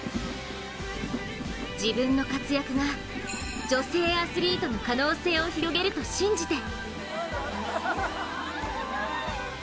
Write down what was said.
自分の活躍が女性アスリートの可能性を広げると信じて。